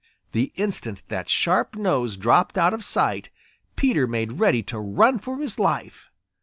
The instant that sharp nose dropped out of sight, Peter made ready to run for his life.